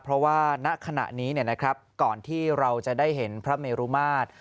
เพราะว่าณขณะนี้ก่อนที่เราจะได้เห็นพระเมรุมาตร